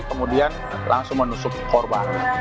kemudian langsung menusuk korban